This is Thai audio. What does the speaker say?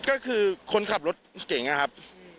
ก็คือคนขับรถเก่งนะครับ